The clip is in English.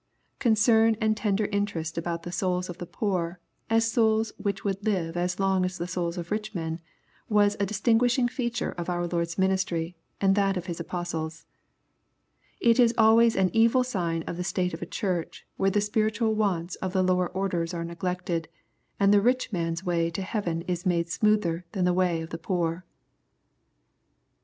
Concern and tender inter est about the souls of the poor, as souls which would Hvo as long as the souls of rich men, was a distinguishing feature of our Lord's ministry, and of that of His apostles. It is always an evil sign of the state of a Church when the spiritual wants of the lower orders are neglected, and the rich man's way to heaven is made smoother than the way of the poor. LUKE Vin.